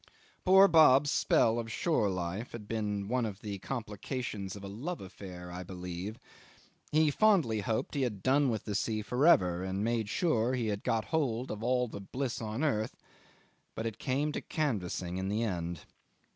Poor Bob's spell of shore life had been one of the complications of a love affair, I believe. He fondly hoped he had done with the sea for ever, and made sure he had got hold of all the bliss on earth, but it came to canvassing in the end.